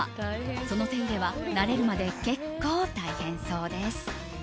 その手入れは慣れるまで結構大変そうです。